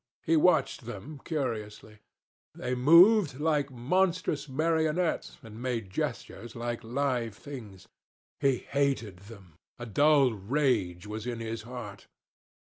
He watched them curiously. They moved like monstrous marionettes and made gestures like live things. He hated them. A dull rage was in his heart.